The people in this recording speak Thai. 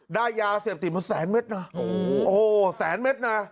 ได้ยาเสพติดมาแสนเม็ดนะโอ้โหแสนเม็ดนะ